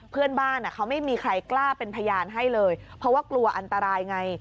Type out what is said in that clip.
เพื่อนบ้านเขาไม่มีใครกล้าเป็นพยานให้เลยเพราะว่ากลัวอันตรายไง